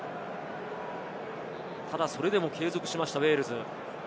ただ、それでも継続しましたウェールズ。